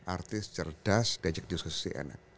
artis cerdas dan jadinya sesuai